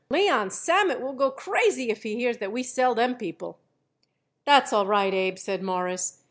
Leon Sammet will go crazy if he hears that we sell them people." "That's all right, Abe," said Morris.